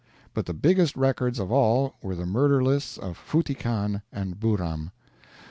But the biggest records of all were the murder lists of Futty Khan and Buhram.